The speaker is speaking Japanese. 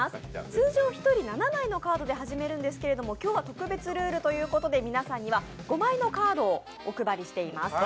通常、１人７枚のカードで始めるんですけど、今日は特別ルールということで５枚のカードをお配りしてます。